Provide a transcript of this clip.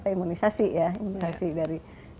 imunisasi ya imunisasi dari